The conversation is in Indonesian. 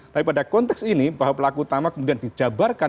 tapi pada konteks ini bahwa pelaku utama kemudian dijabarkan